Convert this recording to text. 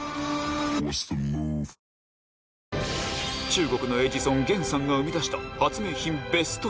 中国のエジソンゲンさんが生み出した